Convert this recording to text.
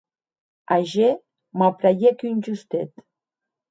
Ager m’apraièc un justet.